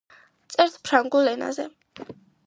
წერს ფრანგულ ენაზე.